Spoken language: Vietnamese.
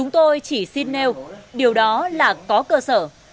tôi chỉ xin nêu điều đó là có cơ sở